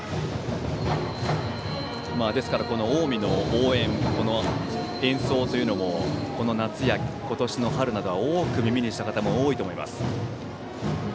ですから近江の応援演奏というのもこの夏や今年の春などは多く耳にした方も多いと思います。